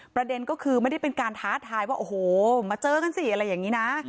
ประเด็นก็คือไม่ได้เป็นการท้าทายว่าโอ้โหมาเจอกันสิอะไรอย่างนี้นะ